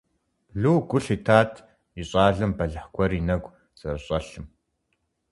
Лу гу лъитат и щӀалэм бэлыхь гуэр и нэгу зэрыщӀэлъым.